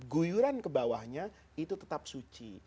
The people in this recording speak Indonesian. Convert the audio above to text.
guyuran kebawahnya itu tetap suci